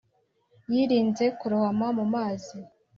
yirinze kurohoma mu mazi,